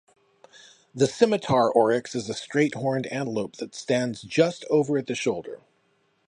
The scimitar oryx is a straight-horned antelope that stands just over at the shoulder.